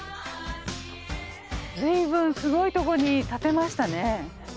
ずいぶんすごいとこに建てましたね。